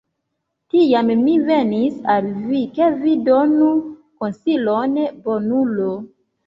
Tiam mi venis al vi, ke vi donu konsilon, bonulo!